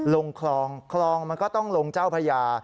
ลงคลองคลองมันก็ต้องลงเจ้าพญา